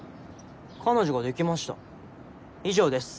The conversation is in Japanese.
彼女ができました以上です。